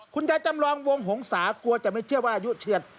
จำลองวงหงษากลัวจะไม่เชื่อว่าอายุเฉียด